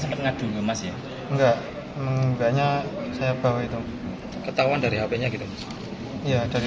sempat ngadu emas ya enggak enggaknya saya bawa itu ketahuan dari hpnya gitu ya dari